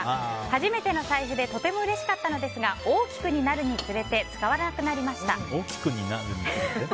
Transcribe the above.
初めての財布でとてもうれしかったのですが大きくなるにつれて使わなくなりました。